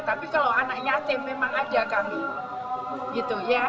tapi kalau anak yatim memang ada kami